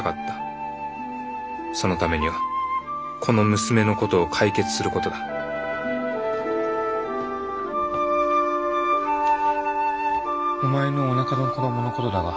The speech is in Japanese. そのためにはこの娘の事を解決する事だお前のおなかの子どもの事だが。